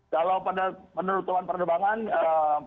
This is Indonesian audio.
kalau penutupan penerbangan belum